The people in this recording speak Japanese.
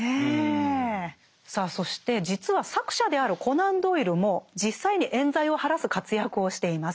さあそして実は作者であるコナン・ドイルも実際に冤罪を晴らす活躍をしています。